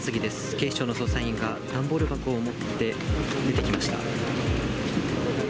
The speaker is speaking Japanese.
警視庁の捜査員が、段ボール箱を持って出てきました。